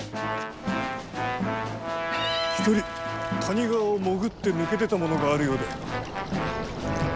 一人谷川を潜って抜け出た者があるようで。